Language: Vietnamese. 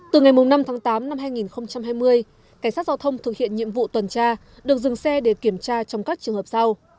từ ngày năm tháng tám năm hai nghìn hai mươi cảnh sát giao thông thực hiện nhiệm vụ tuần tra được dừng xe để kiểm tra trong các trường hợp sau